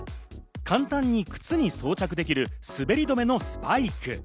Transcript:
簡単に靴に装着できる滑り止めのスパイク。